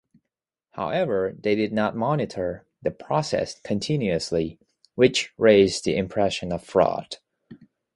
However, they did not monitor the process continuously, which raised the impression of fraud